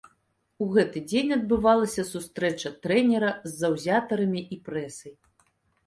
У гэты дзень адбывалася сустрэча трэнера з заўзятарамі і прэсай.